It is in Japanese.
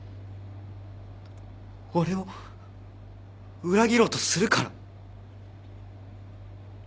俺を裏切ろうとするから。